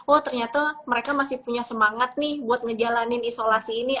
oh ternyata mereka masih punya semangat nih buat ngejalanin isolasi ini